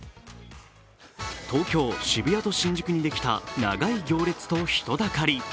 東京・渋谷と新宿にできた長い行列と人だかり。